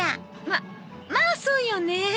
ままあそうよねえ。